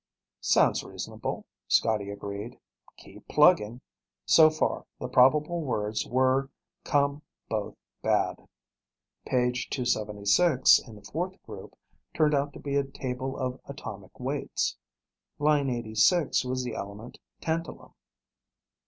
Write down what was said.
'" "Sounds reasonable," Scotty agreed. "Keep plugging." So far, the probable words were: Come both bad. Page 276 in the fourth group turned out to be a table of atomic weights. Line 86 was the element tantalum.